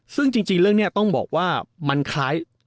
ซึ่งจริงเรื่องนี้ต้องบอกว่ามันคล้าย